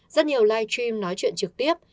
rất nhiều live stream nói chuyện trực tiếp